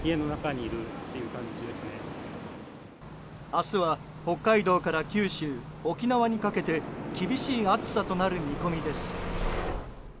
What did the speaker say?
明日は北海道から九州沖縄にかけて厳しい暑さとなる見込みです。